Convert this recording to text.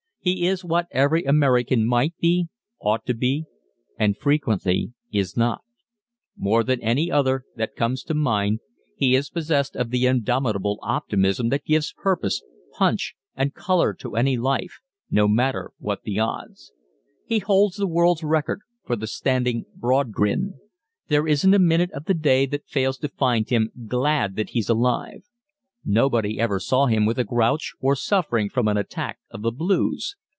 He is what every American might be, ought to be, and frequently is not. More than any other that comes to mind, he is possessed of the indomitable optimism that gives purpose, "punch," and color to any life, no matter what the odds. He holds the world's record for the standing broad grin. There isn't a minute of the day that fails to find him glad that he's alive. Nobody ever saw him with a "grouch," or suffering from an attack of the "blues."